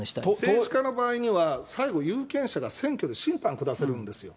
政治家の場合には最後、有権者が選挙で審判下せるんですよ。